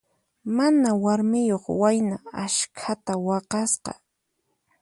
Mana warmiyuq wayna askhata waqasqa.